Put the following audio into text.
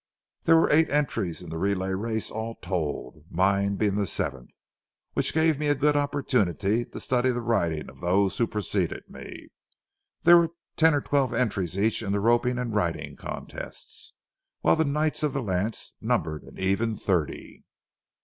There were eight entries in the relay race all told, mine being the seventh, which gave me a good opportunity to study the riding of those who preceded me. There were ten or twelve entries each in the roping and riding contests, while the knights of the lance numbered an even thirty.